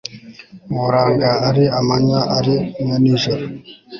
ubaranga, ari amanywa ari na nijoro